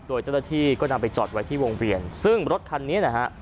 โดยเจ้าหน้าที่ก็นำไปจอดไว้ที่วงเวียนซึ่งรถคันนี้นะฮะ